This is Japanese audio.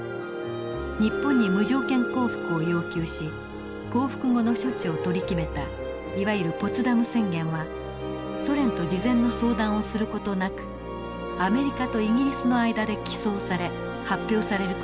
日本に無条件降伏を要求し降伏後の処置を取り決めたいわゆるポツダム宣言はソ連と事前の相談をする事なくアメリカとイギリスの間で起草され発表される事になりました。